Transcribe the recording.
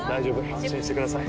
安心してください。